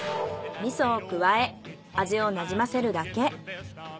味噌を加え味をなじませるだけ。